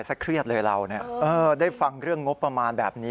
เครียดเลยเราได้ฟังเรื่องงบประมาณแบบนี้